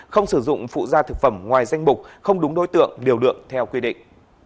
không sử dụng phụ gia thực phẩm ngoài danh bục không đúng đối tượng điều lượng theo quy định